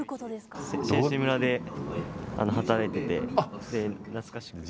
選手村で働いてて、懐かしくて。